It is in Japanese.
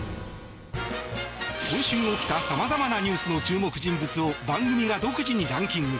今週起きた様々なニュースの注目人物を番組が独自にランキング。